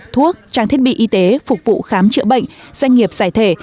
thuốc trang thiết bị y tế phục vụ khám chữa bệnh doanh nghiệp giải thể